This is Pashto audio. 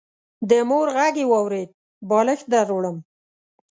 د مور غږ يې واورېد: بالښت دروړم.